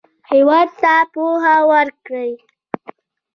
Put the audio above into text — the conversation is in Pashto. هېواد ته پوهه ورکړئ